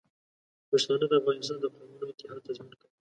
پښتانه د افغانستان د قومونو اتحاد تضمین کوي.